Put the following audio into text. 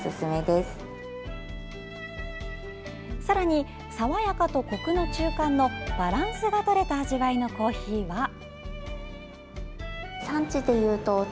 さらに爽やかと、コクの中間のバランスがとれた味わいのコーヒーは？